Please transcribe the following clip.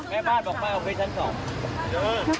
แม่บ้านบอกไม่ออฟฟิศชั้นสอง